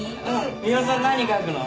三輪さん何描くの？